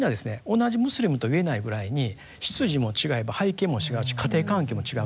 同じムスリムと言えないぐらいに出自も違えば背景も違うし家庭環境も違うと。